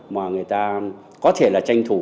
mà người ta có thể là tranh thủ